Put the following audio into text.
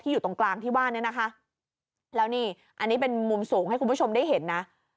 อยู่ตรงกลางที่ว่าเนี่ยนะคะแล้วนี่อันนี้เป็นมุมสูงให้คุณผู้ชมได้เห็นนะ